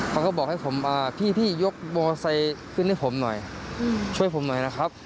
เขาก็บอกให้ผมพี่ยกมอไซค์ขึ้นให้ผมหน่อยช่วยผมหน่อยนะครับ